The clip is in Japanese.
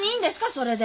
それで。